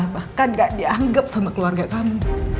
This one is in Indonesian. bahkan gak dianggap sama keluarga kamu